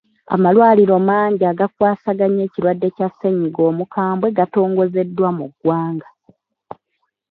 Amalwaliro mangi agakwasaganya ekirwadde kya ssennyiga omukambwe gatongozeddwa mu ggwanga.